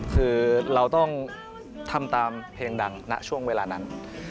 คือเราต้องทำตามเพลงดังณช่วงเวลานั้น